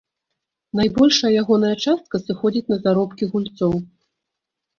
Найбольшая ягоная частка сыходзіць на заробкі гульцоў.